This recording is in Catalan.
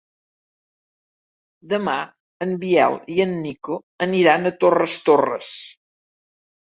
Demà en Biel i en Nico aniran a Torres Torres.